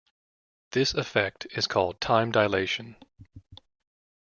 This effect is called time dilation.